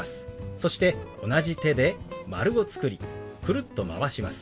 そして同じ手で丸を作りくるっとまわします。